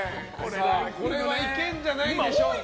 これはいけるんじゃないでしょうか。